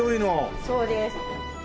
そうです。